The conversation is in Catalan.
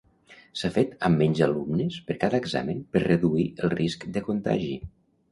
S'ha fet amb menys alumnes per cada examen per reduir el risc de contagi.